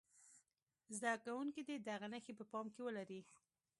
زده کوونکي دې دغه نښې په پام کې ولري.